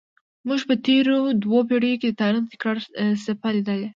موږ په تېرو دوو پیړیو کې د تاریخ د تکرار څپه لیدلې.